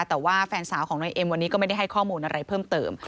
แต่ว่าแฟนสาวของนายเอ็มวันนี้ก็ไม่ได้ให้ข้อมูลอะไรเพิ่มเติม